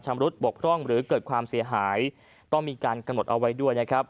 ชำรุดบกล้องหรือเกิดความเสียหายต้องมีการกำหนดเอาไว้ด้วย